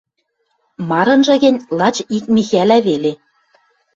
Марынжы гӹнь лач ик Михӓлӓ веле.